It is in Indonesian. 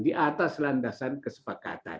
di atas landasan kesepakatan